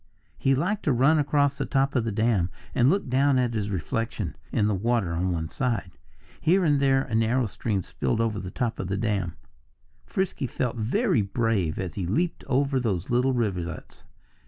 He liked to run across the top of the dam and look down at his reflection in the water on one side. Here and there a narrow stream spilled over the top of the dam. Frisky felt very brave as he leaped over those little rivulets.